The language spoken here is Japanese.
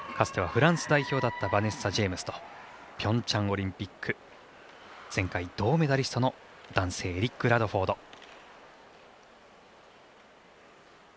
つてはフランス代表だったバネッサ・ジェイムスとピョンチャンオリンピック前回銅メダリストの男性、エリック・ラドフォード。